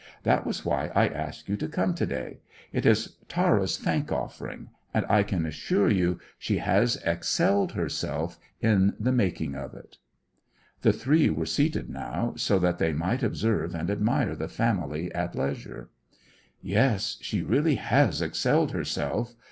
That was why I asked you to come to day. It is Tara's thank offering, and I can assure you she has excelled herself in the making of it." The three were seated now, so that they might observe and admire the family at leisure. "Yes, she really has excelled herself.